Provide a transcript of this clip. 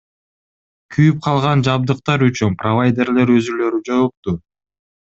Күйүп калган жабдыктар үчүн провайдерлер өзүлөрү жоопту.